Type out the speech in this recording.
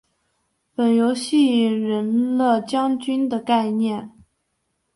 本游戏引人了将军的概念。